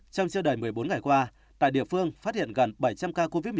trong chưa đầy một mươi bốn ngày qua tại địa phương phát hiện gần bảy trăm linh ca covid một mươi chín